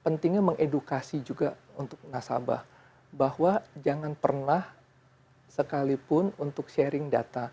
pentingnya mengedukasi juga untuk nasabah bahwa jangan pernah sekalipun untuk sharing data